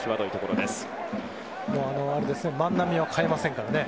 万波は代えませんから。